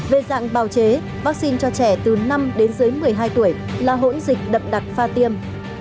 về dạng bào chế vaccine cho trẻ từ năm đến dưới một mươi hai tuổi là hỗn dịch đậm đặc pha tiêm